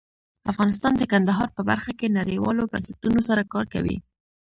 افغانستان د کندهار په برخه کې نړیوالو بنسټونو سره کار کوي.